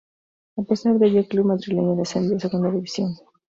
A pesar de ello, el club madrileño descendió a Segunda División.